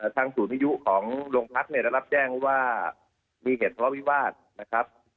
ทางศูนยุของรองพักน์เนี่ยได้รับแจ้งว่ามีเหตุพระวิวาสนะครับ